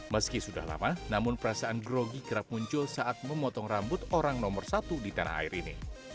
meski sudah lama namun perasaan grogi kerap muncul saat memotong rambut orang nomor satu di tanah air ini